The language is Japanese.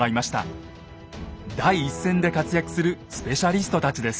第一線で活躍するスペシャリストたちです。